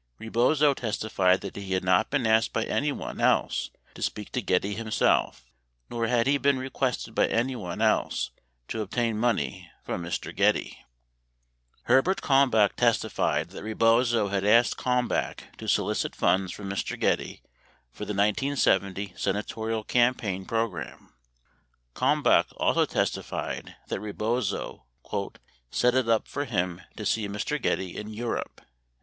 82 Rebozo testified that he had not been asked by anyone else to speak to Getty himself nor had he been requested by anyone else to obtain money from Mr. Getty. 83 Herbert Kalmbach testified that Rebozo had asked Kalmbach to solicit funds from Mr. Getty for the 1970 senatorial campaign pro gram. 84 Kalmbach also testified that Rebozo "set it up for him to see Mr. Getty in Europe."